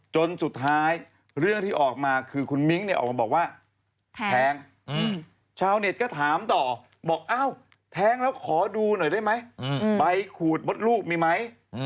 จนสุดท้ายเรื่องที่ออกมาคือคุณมิ้งเนี่ยออกมาบอกว่าแท้งชาวเน็ตก็ถามต่อบอกอ้าวแท้งแล้วขอดูหน่อยได้ไหมใบขูดมดลูกมีไหม